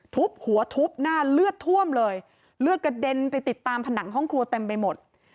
ทุบหัวทุบหน้าเลือดท่วมเลยเลือดกระเด็นไปติดตามผนังห้องครัวเต็มไปหมด